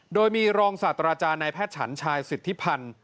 โดยมีรองศาสตราจารย์นายแพทย์ฉันชายสิทธิพันธ์